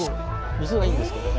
水はいいんですけどね。